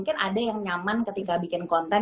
mungkin ada yang nyaman ketika bikin konten